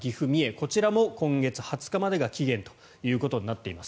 こちらも今月２０日までが期限となっています。